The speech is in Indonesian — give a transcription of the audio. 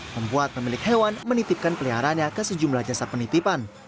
membuat pemilik hewan menitipkan peliharaannya ke sejumlah jasa penitipan